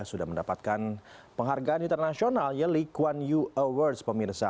sudah mendapatkan penghargaan internasional ya likuan u awards pemirsa